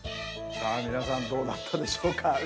さあ皆さんどうだったでしょうか？